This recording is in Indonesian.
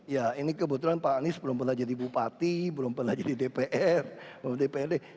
ya ini kebetulan pak anies belum belajar di bupati belum belajar di dpr belum belajar di dprd